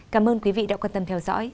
cảm ơn quý vị đã quan tâm theo dõi